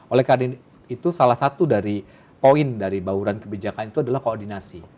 oleh karena itu salah satu dari poin dari bauran kebijakan itu adalah koordinasi